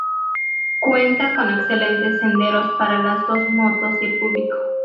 Cuenta con excelentes senderos para las dos motos y el público.